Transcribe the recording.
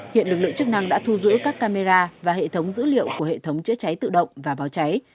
hiện lực lượng chức năng đã thu giữ các camera và hệ thống dữ liệu của hệ thống chữa cháy tự động và báo cháy